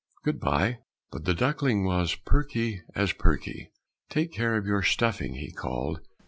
Good bye!" But the duckling was perky as perky. "Take care of your stuffing!" he called.